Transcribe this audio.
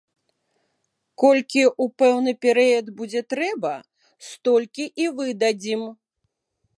Колькі ў пэўны перыяд будзе трэба, столькі і выдадзім.